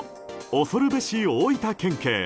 恐るべし、大分県警！